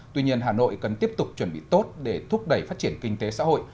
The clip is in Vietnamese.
tuy nhiên hà nội cần tiếp tục chuẩn bị tốt để thúc đẩy phát triển kinh tế xã hội